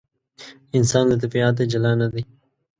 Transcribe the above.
انسان له طبیعته جلا نه دی.